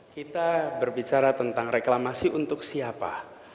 kita berbicara tentang reklamasi untuk siapa